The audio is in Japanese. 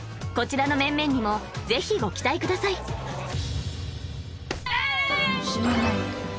こちらの面々にもぜひご期待くださいエーイ！